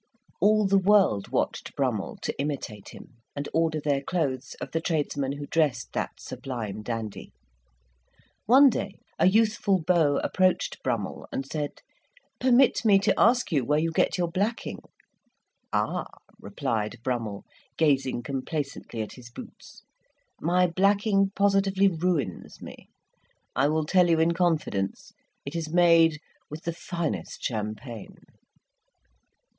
All the world watched Brummell to imitate him, and order their clothes of the tradesman who dressed that sublime dandy. One day a youthful beau approached Brummell and said, "Permit me to ask you where you get your blacking?" "Ah!" replied Brummell, gazing complacently at his boots, "my blacking positively ruins me. I will tell you in confidence; it is made with the finest champagne!"